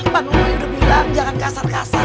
pak nuri udah bilang jangan kasar kasar